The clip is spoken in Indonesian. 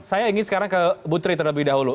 saya ingin sekarang ke butri terlebih dahulu